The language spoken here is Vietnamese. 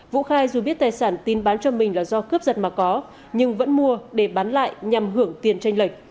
vũ khai dù biết tài sản tín bán cho mình là do cướp giật mà có nhưng vẫn mua để bán lại nhằm hưởng tiền tranh lệch